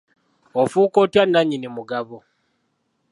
Ofuuka otya nannyini mugabo?